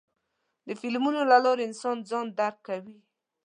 د فلمونو له لارې انسان ځان درکوي.